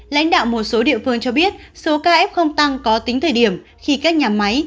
lãnh đạo một số địa phương cho biết số caf không tăng có tính thời điểm khi các nhà máy